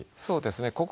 そうですね。